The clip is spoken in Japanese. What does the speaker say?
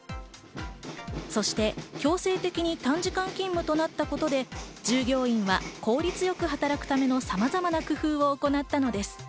そして強制的に短時間勤務となったことで、従業員は効率よく働くためのさまざまな工夫を行ったのです。